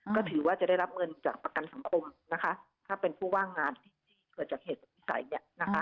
ก็ถือว่าจะได้รับเงินจากประกันสังคมถ้าเป็นผู้ว่างงานที่เกิดจากเหตุภาพฤษัย